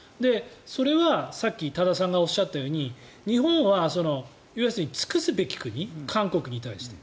それはさっき多田さんがおっしゃったように日本は尽くすべき国韓国に対して。